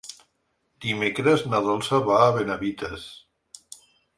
Dimecres na Dolça va a Benavites.